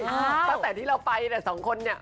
มาตั้งแต่ที่เราไปแต่สองคนนเนี่ย